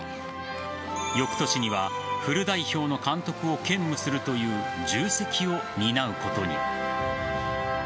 翌年にはフル代表の監督を兼務するという重責を担うことに。